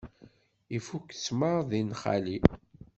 Ifukk ttmeṛ di nnxali.